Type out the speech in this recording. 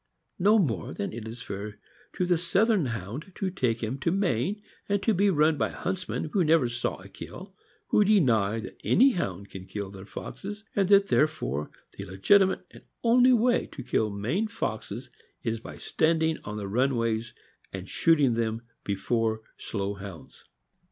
No more is it fair to the Southern Hound to take him to Maine' to be run by huntsmen who never saw a kill, who deny that any Hound can kill their foxes, and that therefore the legitimate and only way to kill Maine foxes is by standing on the run ways and shooting them before slow Hounds.